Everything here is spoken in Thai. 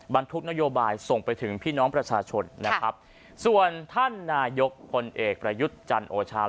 บรรทุกนโยบายส่งไปถึงพี่น้องประชาชนนะครับส่วนท่านนายกพลเอกประยุทธ์จันโอชา